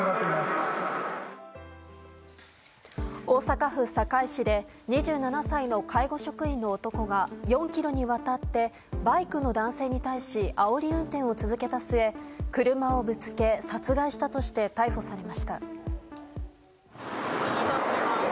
大阪府堺市で２７歳の介護職員の男が４ｋｍにわたってバイクの男性に対しあおり運転を続けた末車をぶつけ殺害したとして逮捕されました。